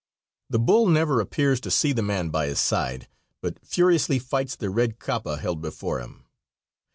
The bull never appears to see the man by his side, but furiously fights the red capa held before him.